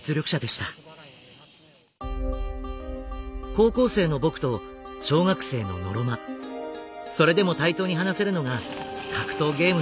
高校生の僕と小学生のノロマそれでも対等に話せるのが格闘ゲームのいいところ。